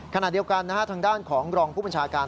ขณะเดียวกันทางด้านของรองผู้บัญชาการ